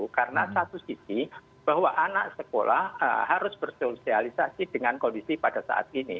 karena satu sisi bahwa anak sekolah harus bersosialisasi dengan kondisi pada saat ini